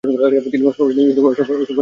তিনি অসংখ্য নাটকে কাজ করেছেন।